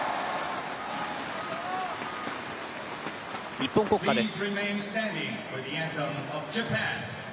日本国歌です。